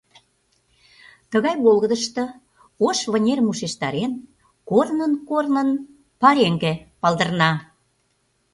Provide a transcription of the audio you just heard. Тыгай волгыдышто, ош вынерым ушештарен, корнын-корнын пареҥге палдырна.